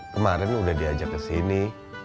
kemarin udah diajak ke sini